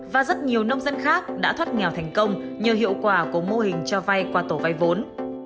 và rất nhiều nông dân khác đã thoát nghèo thành công nhờ hiệu quả của mô hình cho vay qua tổ vay vốn